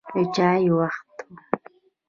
د چای وخت و.